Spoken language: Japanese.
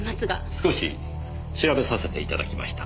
少し調べさせて頂きました。